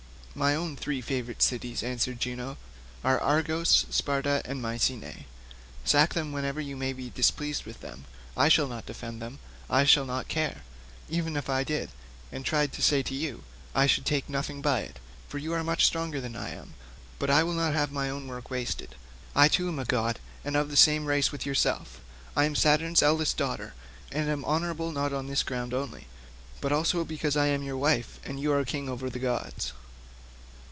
"My own three favourite cities," answered Juno, "are Argos, Sparta, and Mycenae. Sack them whenever you may be displeased with them. I shall not defend them and I shall not care. Even if I did, and tried to stay you, I should take nothing by it, for you are much stronger than I am, but I will not have my own work wasted. I too am a god and of the same race with yourself. I am Saturn's eldest daughter, and am honourable not on this ground only, but also because I am your wife, and you are king over the gods.